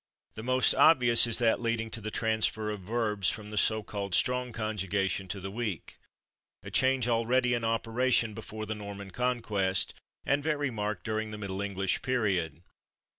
The most obvious is that leading to the transfer of verbs from the so called strong conjugation to the weak a change already in operation before the Norman Conquest, and very marked during the Middle English period.